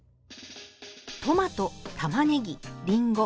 トマトたまねぎりんご